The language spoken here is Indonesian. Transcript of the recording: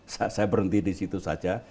saya berhenti di situ saja